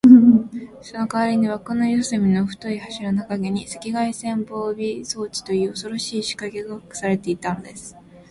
そのかわりに、わくの四すみの太い柱のかげに、赤外線防備装置という、おそろしいしかけがかくされていたのです。